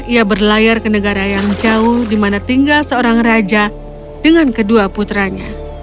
ia berlayar ke negara yang jauh di mana tinggal seorang raja dengan kedua putranya